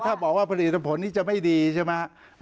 ถ้าบอกว่าผลิตผลนี้จะไม่ดีใช่ไหมครับ